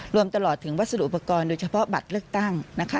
รวมตลอดถึงวัสดุอุปกรณ์โดยเฉพาะบัตรเลือกตั้งนะคะ